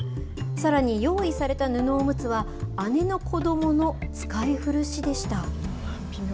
さらに、用意された布おむつは、姉の子どもの使い古しでした。